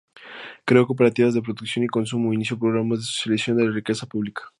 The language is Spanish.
Creó cooperativas de producción y consumo; inició programas de socialización de la riqueza pública.